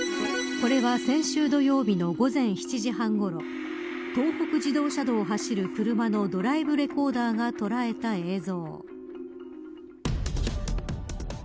これは先週土曜日の午前７時半ごろ東北自動車道を走る車のドライブレコーダーが捉えた映像。